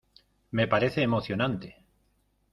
me parece emocionante